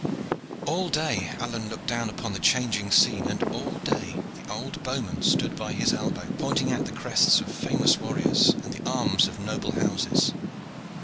All day Alleyne looked down upon the changing scene, and all day the old bowman stood by his elbow, pointing out the crests of famous warriors and the arms of noble houses.